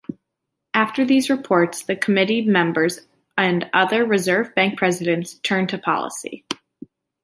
After these reports, the Committee members and other Reserve Bank presidents turn to policy.